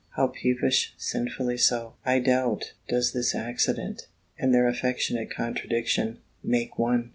How peevish, sinfully so, I doubt, does this accident, and their affectionate contradiction, make one!